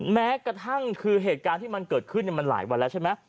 แม้กระทั่งคือเหตุการณ์ที่มันเกิดขึ้นมันหลายวันแล้วใช่ไหม